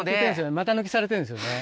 股抜きされてるんですよね。